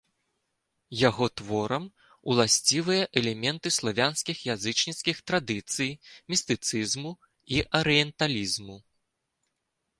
Яго творам уласцівыя элементы славянскіх язычніцкіх традыцый, містыцызму і арыенталізму.